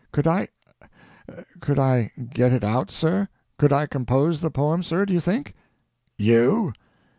Could I could I get it out, sir? Could I compose the poem, sir, do you think?" "You?"